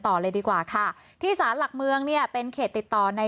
ต่อเลยดีกว่าค่ะที่สารหลักเมืองเนี่ยเป็นเขตติดต่อใน